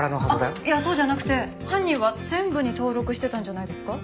いやそうじゃなくて犯人は全部に登録してたんじゃないですか？